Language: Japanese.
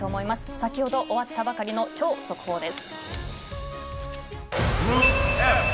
先ほど終わったばかりの超速報です。